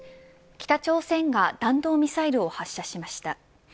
北朝鮮が弾道ミサイルを発射しました。